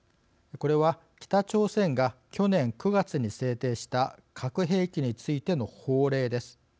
これは北朝鮮が去年９月に制定した核兵器についての法令です。